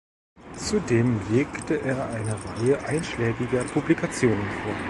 Zudem legte er eine Reihe einschlägiger Publikationen vor.